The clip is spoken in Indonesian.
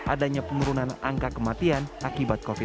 adanya penurunan angka kematian akibat covid sembilan belas